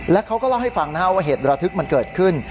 และเขาก็เล่าให้ฟังว่าเหตุระทึกมันเกิดขึ้น